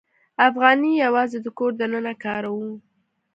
افغانۍ یوازې د کور دننه کاروو.